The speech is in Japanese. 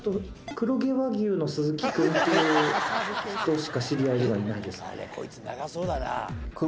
黒毛和牛のすずき君っていう人しか知り合いではいないですね。